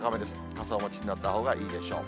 傘をお持ちになったほうがいいでしょう。